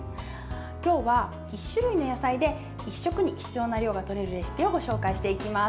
今日は１種類の野菜で１食に必要な量がとれるレシピをご紹介していきます。